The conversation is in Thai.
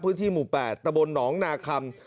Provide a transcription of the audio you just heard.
พื้นที่หมู่๘ตะบลหนองนาคำ